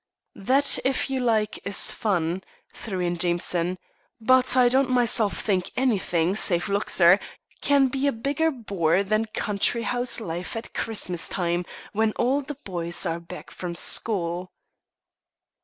"That, if you like, is fun," threw in Jameson. "But I don't myself think anything save Luxor can be a bigger bore than country house life at Christmas time when all the boys are back from school."